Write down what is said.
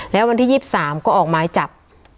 แล้ววันที่๒๓ก็ออกหมายจับ